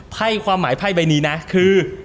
ไพ่ความหมายไพ่ใบนี้นะคือ